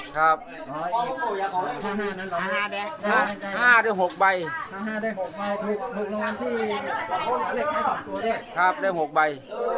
ครับห้าห้าได้หกใบ